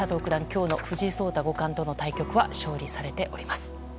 今日の藤井聡太五冠との対局は勝利されております。